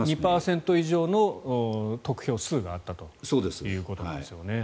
２％以上の得票数があったということなんですよね。